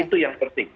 itu yang penting